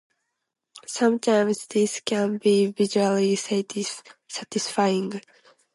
Sometimes this can be visually satisfying.